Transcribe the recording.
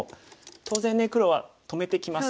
当然ね黒は止めてきます。